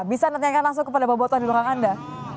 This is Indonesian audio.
bisa tanyakan langsung kepada boboto yang di belakang anda